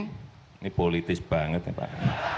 ini politis banget ya pak